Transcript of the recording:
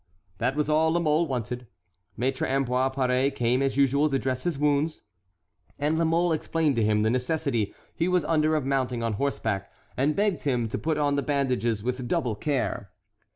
That was all La Mole wanted. Maître Ambroise Paré came as usual to dress his wounds, and La Mole explained to him the necessity he was under of mounting on horseback, and begged him to put on the bandages with double care.